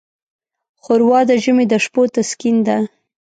ښوروا د ژمي د شپو تسکین ده.